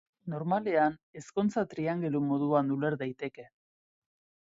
Normalean ezkontza-triangelu moduan uler daiteke.